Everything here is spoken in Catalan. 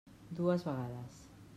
Dues vegades.